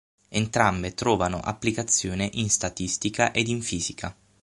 Entrambe trovano applicazione in statistica ed in fisica.